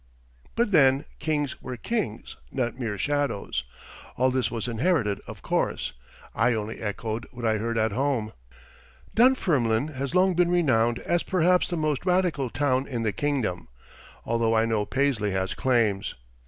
But then kings were kings, not mere shadows. All this was inherited, of course. I only echoed what I heard at home. Dunfermline has long been renowned as perhaps the most radical town in the Kingdom, although I know Paisley has claims.